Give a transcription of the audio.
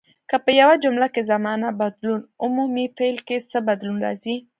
که په یوه جمله کې زمانه بدلون ومومي فعل کې څه بدلون راځي.